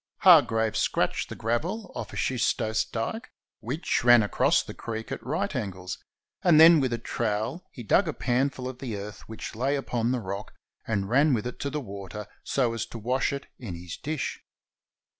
Hargraves scratched the gravel off a schistose dike which ran across the creek at right angles, and then with a trowel he dug a panful of the earth which lay upon the rock, and ran with it to the water so as to wash it in his dish.